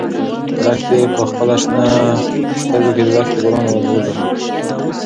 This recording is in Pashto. لښتې په خپلو شنه سترګو کې د دښتې د ګلانو رنګ ولید.